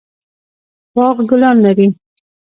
باغ ګلان لري